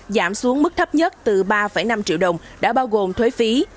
giảm xuống mức thấp nhất từ ba năm triệu đồng đã bao gồm thuế phí